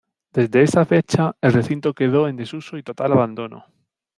Desde esa fecha, el recinto quedó en desuso y total abandono.